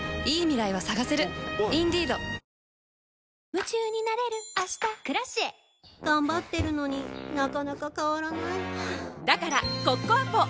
夢中になれる明日「Ｋｒａｃｉｅ」頑張ってるのになかなか変わらないはぁだからコッコアポ！